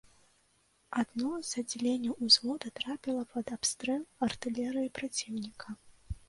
Адно з аддзяленняў ўзвода трапіла пад абстрэл артылерыі праціўніка.